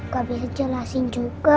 gak bisa jelasin juga